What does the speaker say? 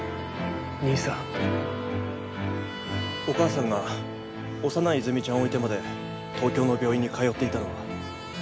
お母さんが幼い泉ちゃんを置いてまで東京の病院に通っていたのは。